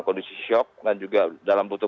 kondisi shock dan juga dalam butuh